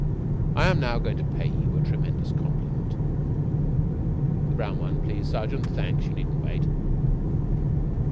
I am now going to pay you a tremendous compliment (the brown one, please, Sergeant. Thanks. You needn't wait).